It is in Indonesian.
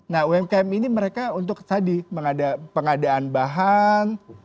nah umkm ini mereka untuk tadi pengadaan bahan